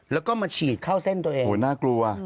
แล้วก็มาฉีดเข้าเส้นตัวเองคงเข้าใจว่าเป็นเหมือนโหหน่ากลัว